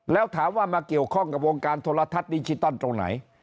แล้วถามว่ามาเกี่ยวข้องกับวงการโทรทัศน์ดิจิตอลตรงไหน